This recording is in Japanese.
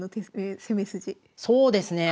そうですね